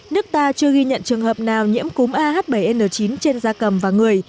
nước ta chưa ghi nhận trường hợp nào nhiễm cúm ah bảy n chín trên da cầm và người